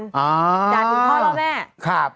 ด่าถึงพ่อแล้วแม่